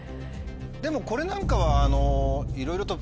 でもこれなんかはいろいろと。